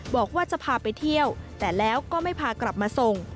บอกว่าจะพาไปเที่ยวแต่แล้วก็ไม่พากลับมาส่ง